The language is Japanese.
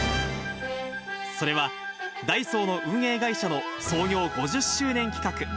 それは、ダイソーの運営会社の創業５０周年企画。